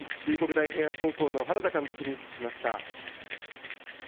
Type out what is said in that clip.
大平安高校の原田監督にお聞きしました。